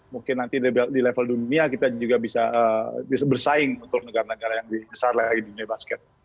mungkin nanti di level dunia kita juga bisa bersaing untuk negara negara yang lebih besar lagi dunia basket